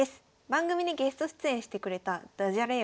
番組にゲスト出演してくれたダジャレ